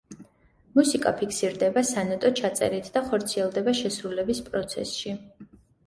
მუსიკა ფიქსირდება სანოტო ჩაწერით და ხორციელდება შესრულების პროცესში.